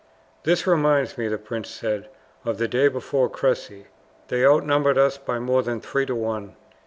"This reminds me," the prince said, "of the day before Cressy. They outnumber us by more than three to one.